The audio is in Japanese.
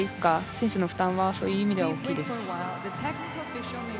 選手の負担はそういう意味では大きいです。